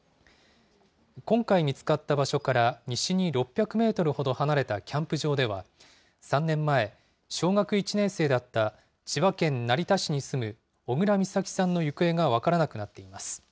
今回見つかった場所から西に６００メートルほど離れたキャンプ場では、３年前、小学１年生だった千葉県成田市に住む小倉美咲さんの行方が分からなくなっています。